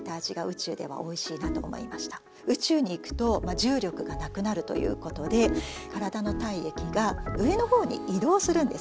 宇宙に行くと重力がなくなるということで体の体液が上のほうに移動するんですよね。